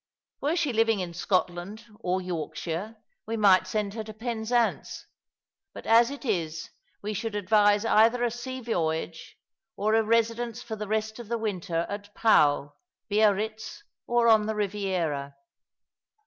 Were she living in Scotland or Yorkshire we might send her to Penzance ; but as it is we should advise either a sea voyage, or a residence for the rest of the winter at Pau^ Biarritz, or on the Eiviera.